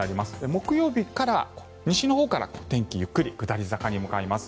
木曜日から西のほうから天気、ゆっくり下り坂に向かいます。